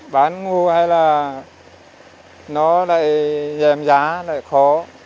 bán ngô hay là nó lại giảm giá lại khó